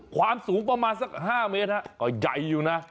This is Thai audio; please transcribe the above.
ความสูงประมาณสัก๕เมตรก็ใหญ่อยู่นะ